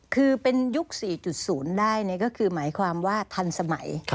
คือเป็นยุค๔๐ได้ก็คือหมายความว่าทันสมัย